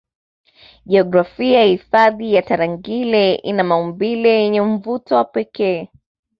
Jiografia ya hifadhi ya Tarangire ina maumbile yenye mvuto wa pekee